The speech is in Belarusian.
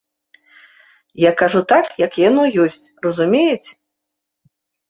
Я кажу так, як яно ёсць, разумееце?